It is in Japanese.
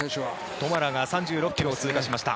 トマラが３６ｋｍを通過しました。